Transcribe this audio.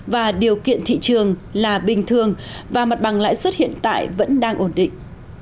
và điều kiện thị trường là bình thường và mặt bằng lãi suất hiện tại vẫn đang ổn định